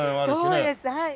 そうですはい。